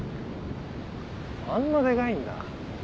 あんなデカいんだ。